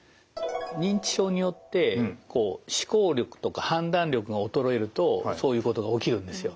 認知症によって思考力とか判断力が衰えるとそういうことが起きるんですよ。